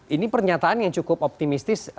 ini pernyataan yang cukup optimistis